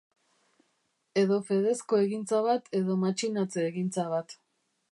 Edo fedezko egintza bat edo matxinatze-egintza bat.